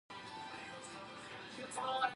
د بولان پټي د افغان ځوانانو د هیلو استازیتوب کوي.